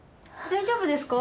大丈夫ですか？